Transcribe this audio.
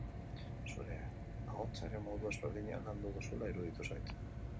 Zure ahotsa ere modu ezberdinean landu duzula iruditu zait.